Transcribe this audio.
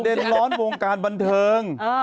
ประเด็นร้อนวงการบันเทิง